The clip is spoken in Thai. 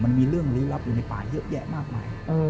มันมีเรื่องลี้ลับอยู่ในป่าเยอะแยะมากมาย